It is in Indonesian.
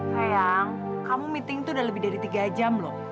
sayang kamu meeting tuh udah lebih dari tiga jam loh